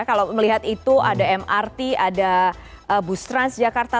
kalau melihat itu ada mrt ada bus trans jakarta